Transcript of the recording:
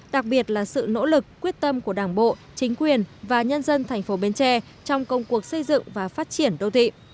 đặc biệt là sự nỗ lực quyết tâm của đảng bộ chính quyền và nhân dân thành phố bến tre trong công cuộc xây dựng và phát triển đô thị